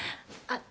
あっ。